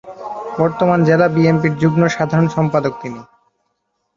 বর্তমানে জেলা বিএনপির যুগ্ম সাধারণ সম্পাদক তিনি।